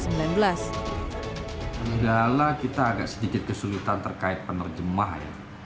enggak lah kita agak sedikit kesulitan terkait penerjemah ya